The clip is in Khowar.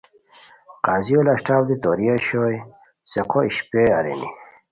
قا ضیو لشٹاؤ دی توری اوشوئے څیقو اِشپے ارینی